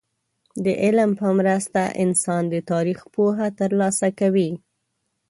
د علم په مرسته انسان د تاريخ پوهه ترلاسه کوي.